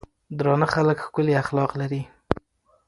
درانۀ خلک ښکلي اخلاق لري.